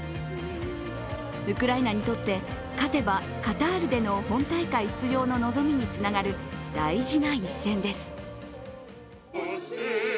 ウクライナにとって、勝てばカタールでの本大会出場の望みにつながる大事な一戦です。